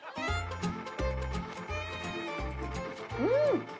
うん！